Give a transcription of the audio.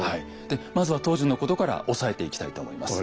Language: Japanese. でまずは当時のことから押さえていきたいと思います。